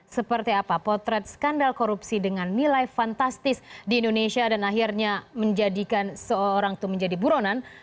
seperti apa potret skandal korupsi dengan nilai fantastis di indonesia dan akhirnya menjadikan seorang itu menjadi buronan